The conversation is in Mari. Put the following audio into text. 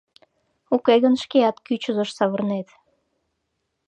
Уке гын шкеат кӱчызыш савырнет».